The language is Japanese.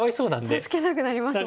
助けたくなりますよね。